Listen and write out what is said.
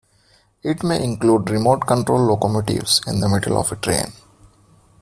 It may include remote control locomotives in the middle of a train.